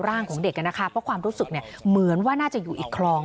ของเด็กนะคะเพราะความรู้สึกเหมือนว่าน่าจะอยู่อีกคลอง